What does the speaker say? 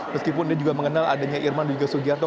meskipun dia juga mengenal adanya irman dujga soegiarto